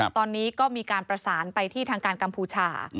ตอนนี้ก็มีการประสานไปที่ทางการกัมพูชา